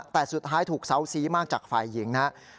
แต่สุดท้ายถูกเศร้าซีมากจากฝ่ายหญิง